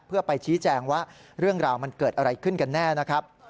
เพื่อไปชี้แจงว่าเรื่องราวมันเกิดอะไรขึ้นกันแน่นะครับ